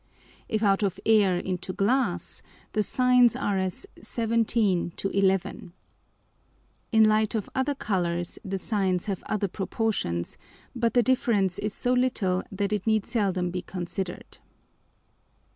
If out of Air into Glass, the Sines are as 17 to 11. In Light of other Colours the Sines have other Proportions: but the difference is so little that it need seldom be considered.